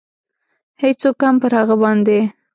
هېڅوک هم پر هغه باندې.